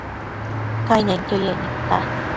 Cainenquio yec nidta